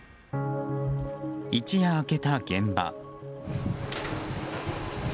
一夜明けた現場。